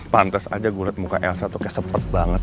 pantes aja gue liat muka elsa tuh kayak sepet banget